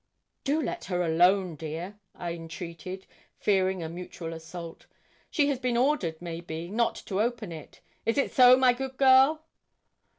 'Do let her alone, dear,' I entreated, fearing a mutual assault. 'She has been ordered, may be, not to open it. Is it so, my good girl?'